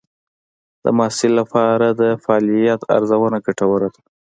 د محصل لپاره د فعالیت ارزونه ګټوره ده.